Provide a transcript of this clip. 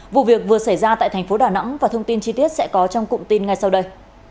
vụ việc vừa xảy ra tại thành phố đà nẵng và thông tin chi tiết sẽ có trong cụm tin ngay sau đây